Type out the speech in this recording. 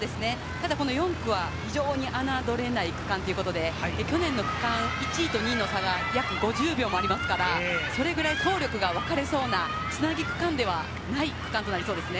ただこの４区は非常に侮れない区間ということで、去年の区間、１位と２位の差が約５０秒もありますから、それくらい走力がわかれそうな繋ぎ区間ではない区間となりそうです。